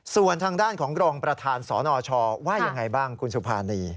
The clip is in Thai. ส่วนทางด้านของรองประธานสนชว่ายังไงบ้างคุณสุภานี